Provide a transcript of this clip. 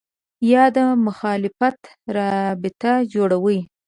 یا د مخالفت رابطه جوړوي